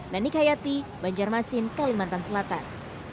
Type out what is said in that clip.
nanik hayati banjarmasin kalimantan selatan